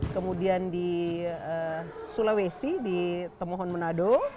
kemudian di sulawesi di temohon manado